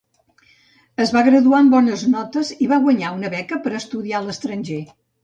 Es va graduar amb bones notes i va guanyar una beca per estudiar a l'estranger.